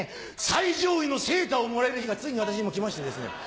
最上位のセーターをもらえる日がついに私にも来ましてですね。